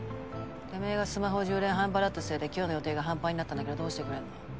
てめぇがスマホの充電半端だったせいで今日の予定が半端になったんだけどどうしてくれんの。